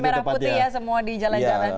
merah putih ya semua di jalan jalan